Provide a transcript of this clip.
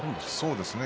そうですね。